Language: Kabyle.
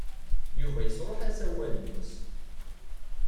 Yuba yesṛuḥ asawal-nnes.